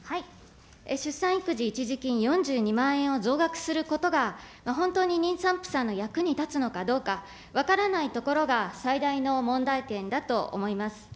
出産育児一時金４２万円を増額することが本当に妊産婦さんの役に立つのかどうか、分からないところが最大の問題点だと思います。